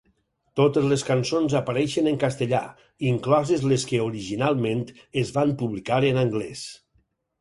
Totes les cançons apareixen en castellà, incloses les que originalment es van publicar en anglès.